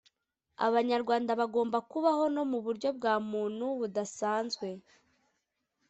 Abanyarwanda bagomba kubaho no mu buryo bwa muntu budasanzwe